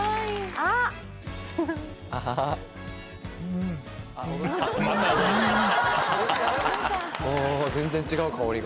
あぁ全然違う香りが。